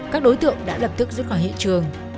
các đối tượng đã lập tức rút khỏi hiện trường